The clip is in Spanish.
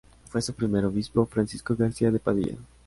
Fue su primer obispo Francisco García de Padilla.